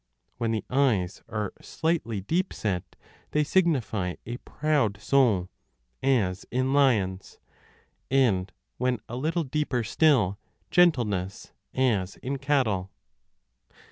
When the eyes are slightly deep set, they signify a proud soul, as in lions: and when a little deeper still, 4 gentleness, as in cattle.